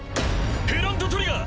フロントトリガー！